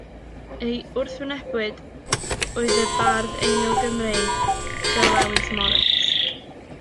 Ei wrthwynebydd oedd y bardd Eingl-gymreig Syr Lewis Morris.